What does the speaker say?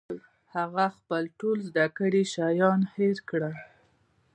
هغه خپل ټول زده کړي شیان هېر کړل